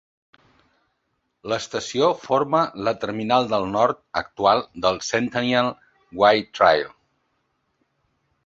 L'estació forma la terminal del nord actual del Centennial Way Trail.